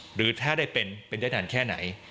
หรือถ้าได้เป็นเป็นได้นานแค่ไหน